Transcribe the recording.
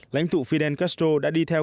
lãnh thụ fidel castro đã đi theo